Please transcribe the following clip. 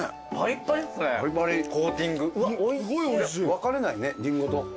分かれないねリンゴと。